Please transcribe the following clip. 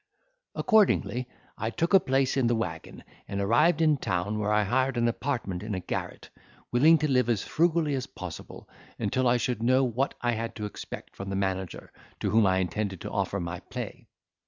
"Accordingly I took a place in the waggon, and arrived in town, where I hired an apartment in a garret, willing to live as frugally as possible, until I should know what I had to expect from the manager, to whom I intended to offer my play.